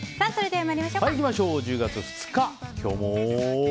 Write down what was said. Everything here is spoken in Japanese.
１０月２日、今日も。